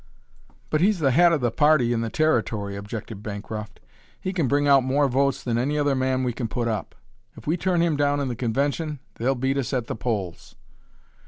"But he's the head of the party in the Territory," objected Bancroft. "He can bring out more votes than any other man we can put up. If we turn him down in the convention they'll beat us at the polls."